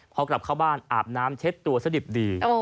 พอกลับเข้าบ้านอาบน้ำเช็ดตัวซะดิบดี